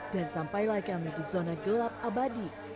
dan sampai lah kami di zona gelap abadi